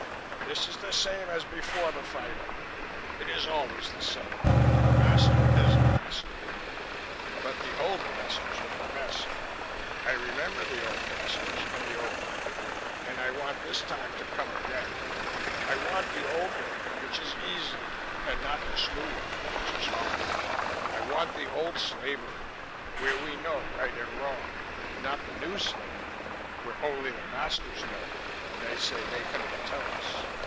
This is the same as before the fighting. It is always the same. A master is a master. But the old masters were the best. I remember the old masters and the old work, and I want this time to come again. I want the old work, which is easy, and not this new work, which is hard. I want the old slavery, where we know right and wrong, and not the new slavery, where only the masters know and they say they cannot tell us.